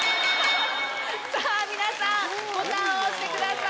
さぁ皆さんボタンを押してください。